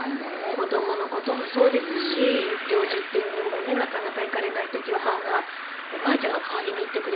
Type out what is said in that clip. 子どもの事もそうですし行事っていうのもねなかなか行かれない時は母がおばあちゃんが代わりに行ってくれたりとか。